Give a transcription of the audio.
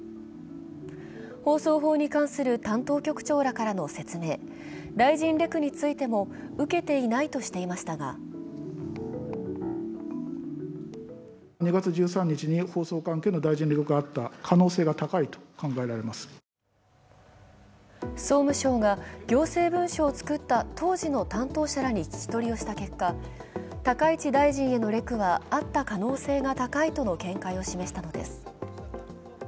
放送法に関する担当局長らからの説明、大臣レクについても、受けていないとしていましたが総務省が行政文書を作った当時の担当者らに聞き取りをした結果、高市大臣へのレクはあった可能性が高いとの見解を示したのです。